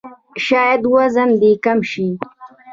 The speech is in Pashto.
شاید وزن دې کم شي!